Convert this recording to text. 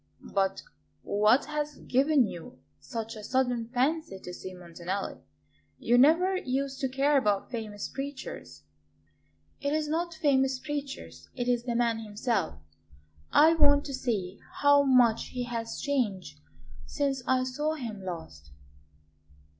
"But what has given you such a sudden fancy to see Montanelli? You never used to care about famous preachers." "It is not famous preachers; it is the man himself; I want to see how much he has changed since I saw him last."